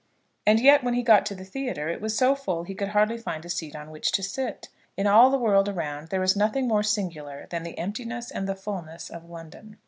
And yet, when he got to the theatre, it was so full that he could hardly find a seat on which to sit. In all the world around us there is nothing more singular than the emptiness and the fullness of London.